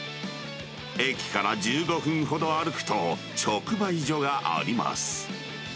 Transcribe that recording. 駅から１５分ほど歩くと、直売所があります。